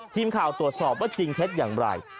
ทีมข่าวตรวจสอบว่าจริงเท็จอย่างไร